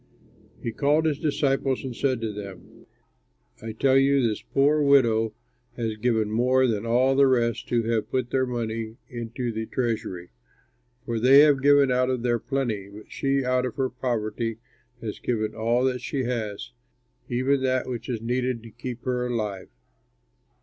He called his disciples and said to them, "I tell you, this poor widow has given more than all the rest who have put their money into the treasury, for they have given out of their plenty, but she out of her poverty has given all that she has, even that which is needed to keep her alive."